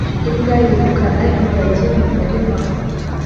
Imbwa yirukana ingagi mu murima